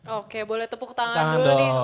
oke boleh tepuk tangan dulu nih